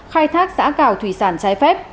khai thác xã cào thủy sản trái phép